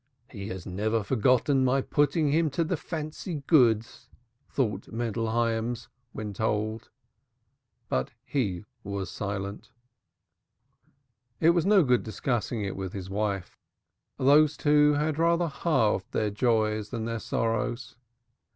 "He has never forgiven my putting him to the fancy goods," thought Mendel Hyams when told. But he was silent. It was of no good discussing it with his wife. Those two had rather halved their joys than their sorrows.